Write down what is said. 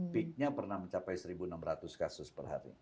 pik nya pernah mencapai seribu enam ratus kasus per hari